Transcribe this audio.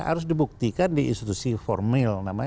harus dibuktikan di institusi formil